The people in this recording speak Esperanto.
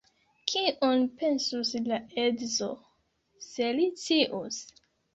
Kion pensus la edzo, se li scius?